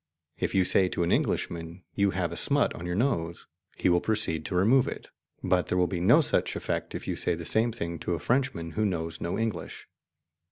If you say to an Englishman, "You have a smut on your nose," he will proceed to remove it, but there will be no such effect if you say the same thing to a Frenchman who knows no English.